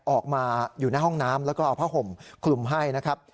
ออกมาอยู่หน้าห้องน้ำแล้วก็เอาผ้าห่มคลุมให้นะครับ